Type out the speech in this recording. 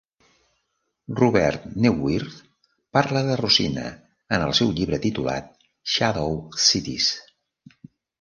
Robert Neuwirth parla de Rocinha en el seu llibre titulat "Shadow Cities".